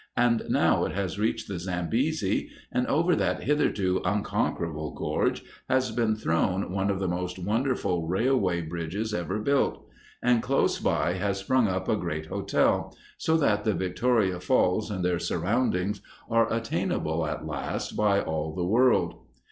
And now it has reached the Zambesi, and over that hitherto unconquerable gorge has been thrown one of the most wonderful railway bridges ever built; and close by has sprung up a great hotel, so that the Victoria Falls and their surroundings are attainable at last by all the world.